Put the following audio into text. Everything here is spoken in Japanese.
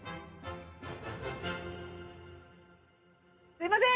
すいません。